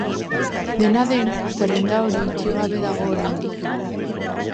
Dena den, zerrenda hori itxi gabe dago oraindik.